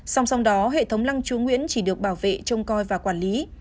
song song đó hệ thống lăng chú nguyễn chỉ được bảo vệ trông coi và quản lý